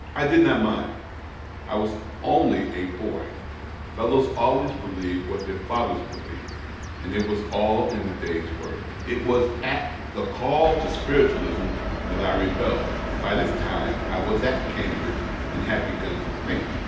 I did not mind, I was only a boy ; fellows always believed what their fathers believed ; it was all in the day's work. It was at the call to spiritualism that I rebelled ; by this time I was at Cambridge, and had begun to think.